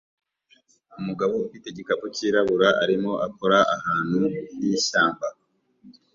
Umugabo ufite igikapu cyirabura arimo akora ahantu h'ishyamba